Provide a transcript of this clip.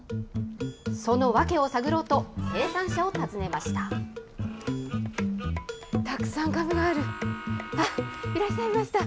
その訳を探ろうと生産者を訪ねました。